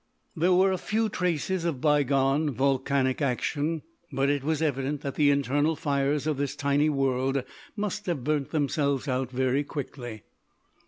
There were a few traces of bygone volcanic action, but it was evident that the internal fires of this tiny world must have burnt themselves out very quickly.